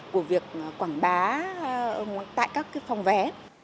của việc quảng bá tại các phòng vé